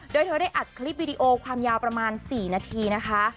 โดยเธอได้อัดคลิปวิดีโอความยาวประมาณ๔นาทีนะคะ